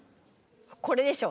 これでしょ。